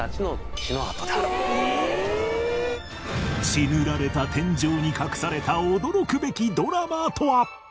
血塗られた天井に隠された驚くべきドラマとは？